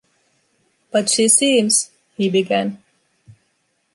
“But she seems —” he began.